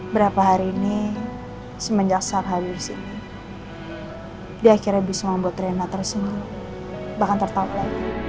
berapa hari ini semenjak saat habis ini di akhirnya bisa membuat riana tersenyum bahkan tertawa